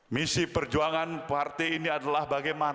misi perjuangan partai ini adalah bagaimana